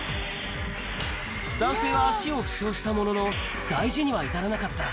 男性は足を負傷したものの、大事には至らなかった。